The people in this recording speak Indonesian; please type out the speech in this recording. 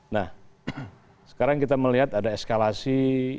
nah sekarang kita melihat ada eskalasi